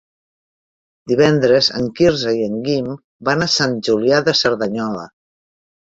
Divendres en Quirze i en Guim van a Sant Julià de Cerdanyola.